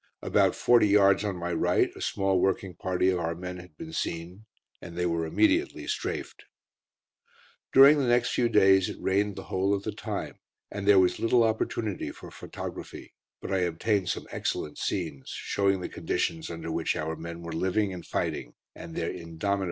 About forty yards on my right a small working party of our men had been seen, and they were immediately "strafed." During the next few days it rained the whole of the time, and there was little opportunity for photography; but I obtained some excellent scenes, showing the conditions under which our men were living and fighting, and their indomitable cheerfulness.